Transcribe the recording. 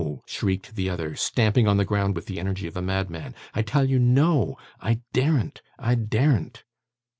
shrieked the other, stamping on the ground with the energy of a madman. 'I tell you no. I daren't, I daren't!